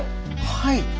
はい？